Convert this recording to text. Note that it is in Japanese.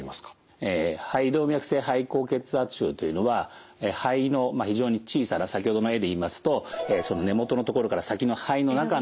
肺動脈性肺高血圧症というのは肺の非常に小さな先ほどの絵で言いますとその根元の所から先の肺の中の方に。